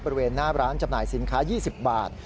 บริเวณหน้าร้านจำหน่ายสินค้า๒๐บาท